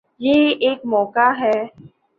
یہ ایک موقع ہے۔